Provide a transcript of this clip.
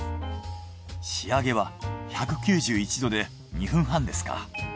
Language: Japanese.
仕上げは１９１℃で２分半ですか。